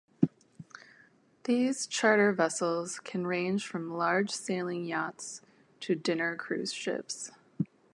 These charter vessels can range from large sailing yachts to dinner cruise ships.